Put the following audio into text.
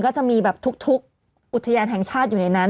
ก็จะมีแบบทุกอุทยานแห่งชาติอยู่ในนั้น